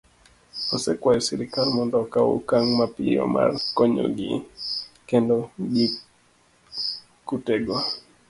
osekwayo sirkal mondo okaw okang' mapiyo mar konyogi kedo gi kutego